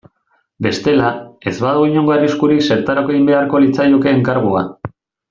Bestela, ez badago inongo arriskurik zertarako egin beharko litzaioke enkargua.